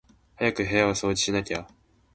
早く部屋を掃除しなきゃ